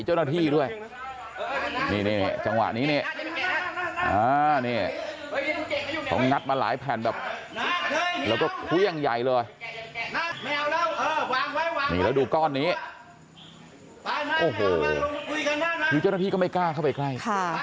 เจ้าหน้าที่ไม่กล้าเข้าขึ้นไปใกล้